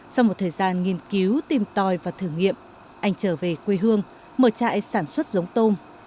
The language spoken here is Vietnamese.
sau một thời gian nghiên cứu tìm tòi và thử nghiệm anh trở về quê hương mở trại sản xuất giống tôm